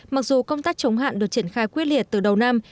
mặc dù công tác chống hạn được triển khai quyết liệt từ đầu năm